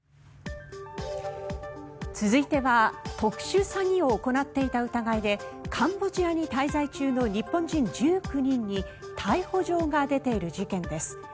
続いては特殊詐欺を行っていた疑いでカンボジアに滞在中の日本人１９人に逮捕状が出ている事件です。